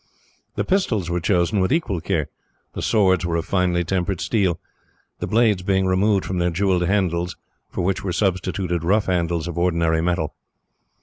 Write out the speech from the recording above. The pistols were chosen with equal care. The swords were of finely tempered steel, the blades being removed from their jewelled handles, for which were substituted rough handles of ordinary metal.